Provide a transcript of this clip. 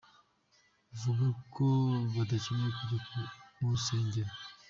Bavuga ko badakenera kujya mu nsengero.